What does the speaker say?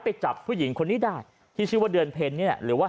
ไปจับผู้หญิงคนนี้ได้ที่ชื่อว่าเดือนเพ็ญเนี่ยหรือว่า